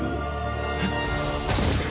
えっ。